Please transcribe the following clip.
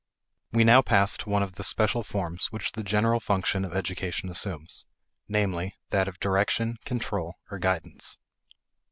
We now pass to one of the special forms which the general function of education assumes: namely, that of direction, control, or guidance.